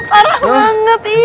parah banget i